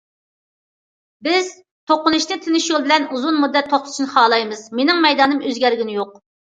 بىز توقۇنۇشنى تىنچ يول بىلەن ئۇزۇن مۇددەت توختىتىشنى خالايمىز، مېنىڭ مەيدانىم ئۆزگەرگىنى يوق.